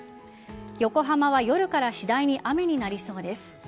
横浜は夜から次第に雨になりそうです。